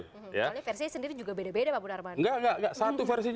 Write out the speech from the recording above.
misalnya versinya sendiri juga beda beda pak munarman